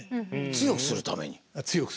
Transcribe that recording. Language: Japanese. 強くするために。